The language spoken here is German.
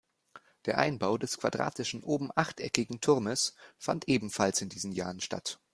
Der Einbau des quadratischen, oben achteckigen Turmes fand ebenfalls in diesen Jahren statt.